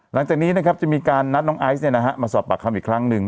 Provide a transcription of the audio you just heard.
หลังจากนี้นะครับจะมีการนัดน้องไอซ์มาสอบปากคำอีกครั้งหนึ่ง